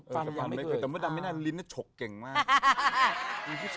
สำคัญไหมเกิดดคำว่าดำมินัลลิ้นชกเก่งมาก